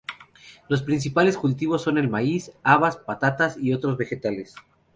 Los principales cultivos son el maíz, habas, patatas y otros vegetales.